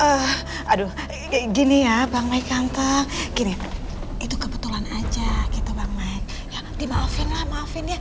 aduh gini ya bang mai kanker gini itu kebetulan aja gitu bang mike ya dimaafin lah maafin ya